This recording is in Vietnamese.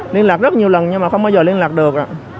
liên lạc rất nhiều lần nhưng mà không bao giờ liên lạc được